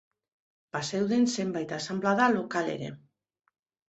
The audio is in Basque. Bazeuden zenbait asanblada lokal ere.